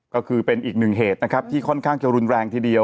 ก็คือเป็นอีกหนึ่งเหตุนะครับที่ค่อนข้างจะรุนแรงทีเดียว